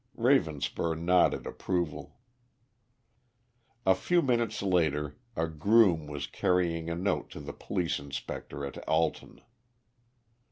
Ravenspur nodded approval. A few minutes later a groom was carrying a note to the police inspector at Alton.